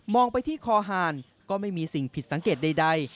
ไปที่คอหารก็ไม่มีสิ่งผิดสังเกตใด